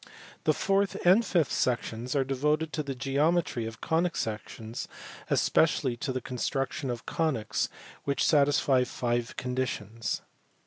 The fourth and fifth sections are devoted to the geometry of conic sections, especially to the construction of conies which satisfy five con ditions.